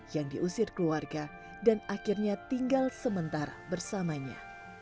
yang diusir keluarga dan akhirnya tinggal sementara bersamanya